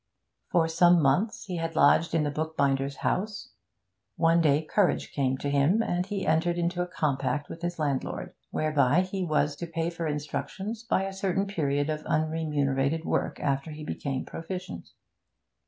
For some months he had lodged in the bookbinder's house; one day courage came to him, and he entered into a compact with his landlord, whereby he was to pay for instruction by a certain period of unremunerated work after he became proficient.